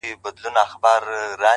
• پال ډنبار خپل لومړنی شعر ,